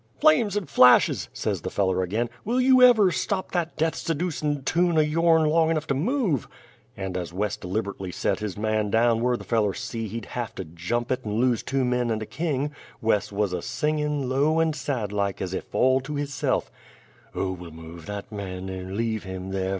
"Flames and flashes!" says the feller ag'in, "will you ever stop that death seducin' tune o' your'n long enough to move?" And as Wes deliber't'ly set his man down whur the feller see he'd haf to jump it and lose two men and a king, Wes wuz a singin', low and sad like, as ef all to hisse'f: "O we'll move that man, and leave him there.